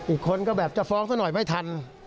อีกคนก็แบบจะฟ้องซะหน่อยไม่ทัน